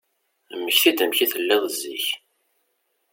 Mmekti-d amek i telliḍ zik.